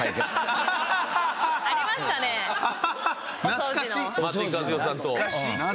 懐かしい。